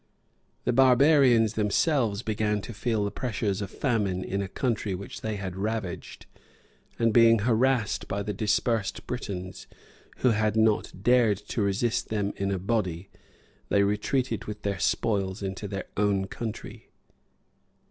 The barbarians themselves began to feel the pressures of famine in a country which they had ravaged; and being harassed by the dispersed Britons, who had not dared to resist them in a body, they retreated with their spoils into their own country.